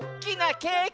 ケーキ！